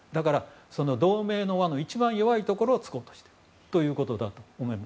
同盟の一番弱いところを突こうとしているということだと思います。